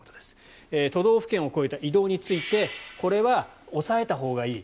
都道府県を越えた移動についてこれは抑えたほうがいい。